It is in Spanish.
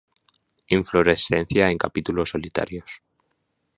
Inflorescencia en capítulos solitarios.